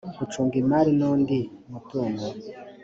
gucunga imari n’undi mutungo